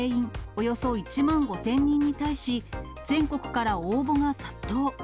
およそ１万５０００人に対し、全国から応募が殺到。